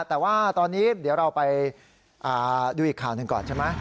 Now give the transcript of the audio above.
แต่ว่าตอนนี้เดี๋ยวเราไปดูอีกข่าวหนึ่งก่อนใช่ไหม